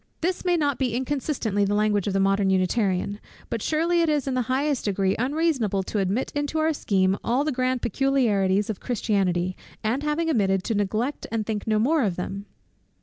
This may be not inconsistently the language of the modern Unitarian; but surely it is in the highest degree unreasonable to admit into our scheme all the grand peculiarities of Christianity, and having admitted, to neglect and think no more of them!